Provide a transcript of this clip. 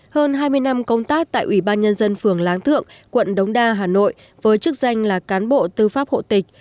hơn hai mươi năm công tác tại ủy ban nhân dân phường láng thượng quận đống đa hà nội với chức danh là cán bộ tư pháp hộ tịch